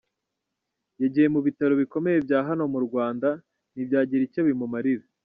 Yagiye mu bitaro bikomeye bya hano mu Rwanda ntibyagira icyo bimumarira.